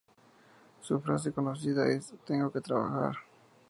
Su frase conocida es "tengo que trabajar".